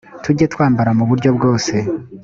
tuge twambara mu buryo bwose